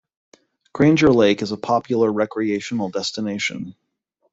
Granger Lake is a popular recreational destination.